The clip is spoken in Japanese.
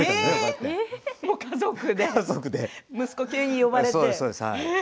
息子が急に呼ばれて？